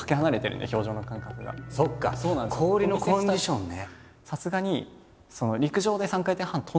氷のコンディションね。